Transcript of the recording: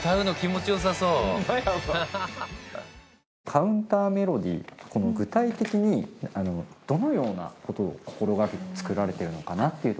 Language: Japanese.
カウンターメロディーこの具体的にどのような事を心がけて作られてるのかなっていう。